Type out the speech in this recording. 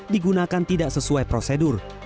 digunakan tidak sesuai prosedur